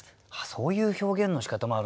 そういう表現のしかたもあるんだ。